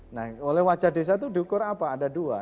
nah oleh wajah desa itu diukur apa ada dua